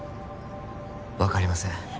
分かりません